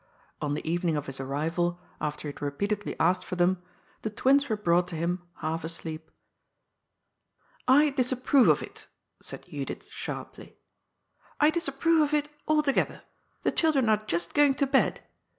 On the evening of his arrival, after he had repeatedly asked for them, the twins were brought to him half asleep. " I disapprove of it," said Judith sharply —" I disapprove of it altogether. ' The children are just going to bed.